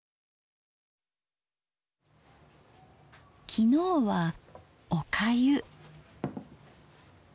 昨日は「おかゆ」。